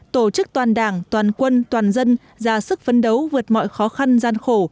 tổ chức toàn đảng toàn quân toàn dân ra sức phấn đấu vượt mọi khó khăn gian khổ